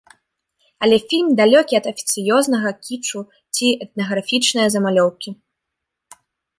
Але фільм далёкі ад афіцыёзнага кічу ці этнаграфічнае замалёўкі.